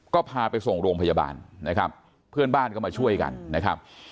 ก็พาไปส่งโรงพยาบาลนะครับเพื่อนบ้านก็มาช่วยกันนะครับ